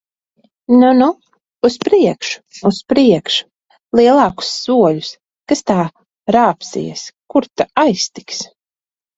Nu, nu! Uz priekšu! Uz priekšu! Lielākus soļus! Kas tā rāpsies! Kur ta aiztiks!